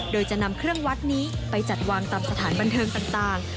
โดยจะนำเครื่องวัดนี้ไปจัดวางตามสถานบันเทิงต่าง